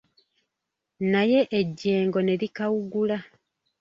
Naye ejeengo ne likawugula.